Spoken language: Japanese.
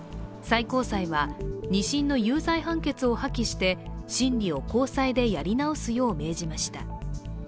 最高裁は、２審の有罪判決を破棄して審理を高裁でやり直すよう命じました。